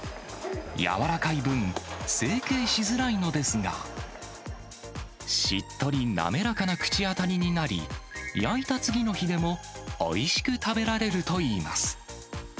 軟らかい分、成形しづらいのですが、しっとり滑らかな口当たりになり、焼いた次の日でもおいしく食べられるといいます。